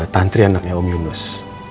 tantri anaknya om yunus